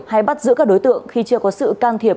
hay bắt giữ các đối tượng khi chưa có sự can thiệp